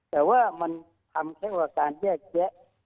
แต่ว่ามันทำแค่ว่าการแยกแยะ